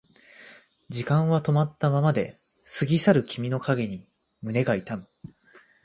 時間は止まったままで過ぎ去る君の影に胸が痛む